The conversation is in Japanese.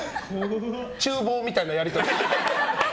厨房みたいなやり取り。